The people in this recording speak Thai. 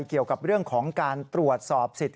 เกี่ยวกับเรื่องของการตรวจสอบสิทธิ